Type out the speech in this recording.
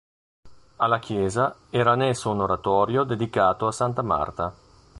Alla chiesa era annesso un oratorio dedicato a Santa Marta.